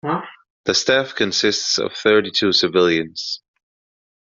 The staff consists of thirty-two civilians.